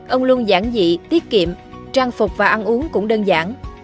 ông luôn giảng dị tiết kiệm trang phục và ăn uống cũng đơn giản